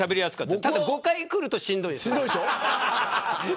ただ、５回くるとしんどいです。